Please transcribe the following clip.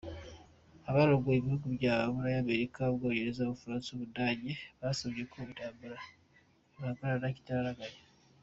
Abarongoye ibihugu vya Buraya, Amerika, Ubwongereza, Ubufaransa n’Ubudagi, basavye ko intambara yohagarara ikitaraganya.